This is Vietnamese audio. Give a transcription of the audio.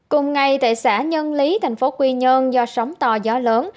cùng ngày tại xã nhân lý thành phố quy nhơn do sóng to gió lớn